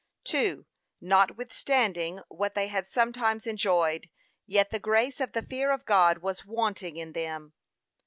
2. Notwithstanding what they had sometimes enjoyed, yet the grace of the fear of God was wanting in them.